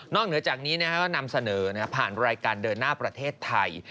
เหนือจากนี้ก็นำเสนอผ่านรายการเดินหน้าประเทศไทย